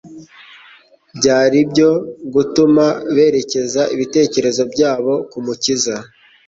Byari ibyo gutuma berekeza ibitekerezo byabo ku Mukiza.